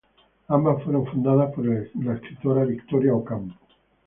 Ambas fueron fundadas por la escritora Victoria Ocampo.